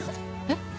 えっ？